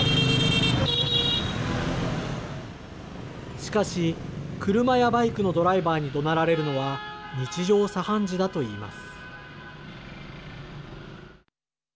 しかし、車やバイクのドライバーに、どなられるのは日常茶飯事だと言います。